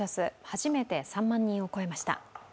初めて３万人を超えました。